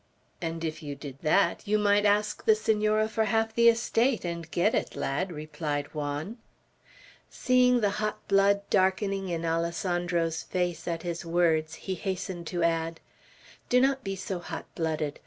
"And if you did that, you might ask the Senora for the half of the estate, and get it, lad," replied Juan, Seeing the hot blood darkening in Alessandro's face at his words, he hastened to add, "Do not be so hot blooded.